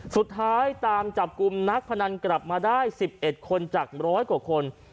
สุดท้ายตามจับกลุ่มนักพนันกลับมาได้๑๑คนจากร้อยกว่าคน